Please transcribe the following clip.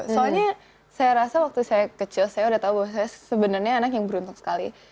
soalnya saya rasa waktu saya kecil saya udah tahu bahwa saya sebenarnya anak yang beruntung sekali